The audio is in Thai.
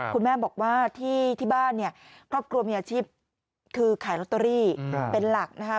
คุณแม่บอกว่าที่บ้านเนี่ยครอบครัวมีอาชีพคือขายลอตเตอรี่เป็นหลักนะคะ